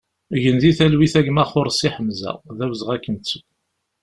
Gen di talwit a gma Xorsi Ḥemza, d awezɣi ad k-nettu!